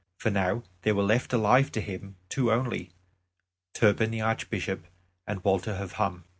For now there were left alive to him two only, Turpin the Archbishop and Walter of Hum.